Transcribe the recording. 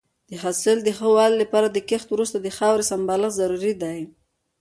د حاصل د ښه والي لپاره د کښت وروسته د خاورې سمبالښت ضروري دی.